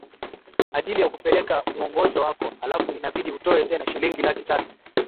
ajili ya kupeleka muongozo wako alafu inabidi utoe tena shilingi laki tatu